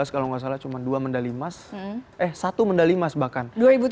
dua ribu tujuh belas kalau nggak salah cuma dua mendali emas eh satu mendali emas bahkan